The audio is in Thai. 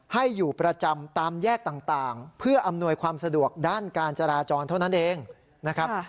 ให้อยู่ประจำตามแยกต่างเพื่ออำนวยความสะดวกด้านการจราจรเท่านั้นเองนะครับ